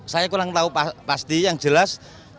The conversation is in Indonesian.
saya kurang tahu pasti yang jelas